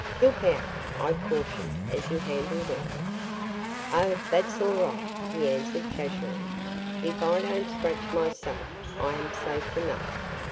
"Look out!" I cautioned as he handled it. "Oh, that's all right," he answered casually. "If I don't scratch myself, I am safe enough.